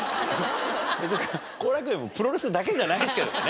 別に後楽園プロレスだけじゃないですけどね。